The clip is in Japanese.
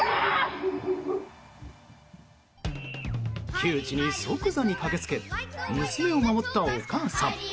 窮地に即座に駆けつけ娘を守ったお母さん。